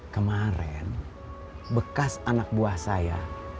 kemarin bekas anak buah saya